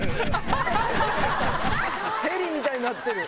ヘリみたいになってる。